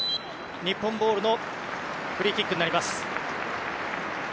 日本ボールのフリーキックになります。